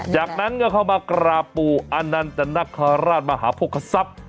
จากนั้นก็เข้ามากราบปู่อานันตนาคาราชมหาพกษัตริย์